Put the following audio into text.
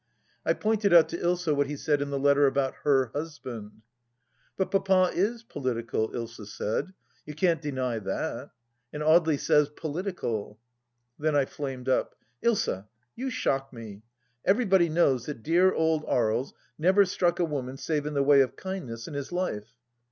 I pointed out to Ilsa what he said in the letter about Her husband. "But Papa apolitical," Ilsa said; "you cannot deny that; and Audely says political. ..." Then I flamed up. " Ilsa, you shock me ! Everybody knows that dear old Aries never struck a woman save in the way of kindness in his life."